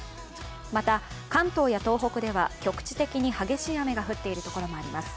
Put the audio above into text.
また、関東や東北では局地的に激しい雨が降っている所もあります。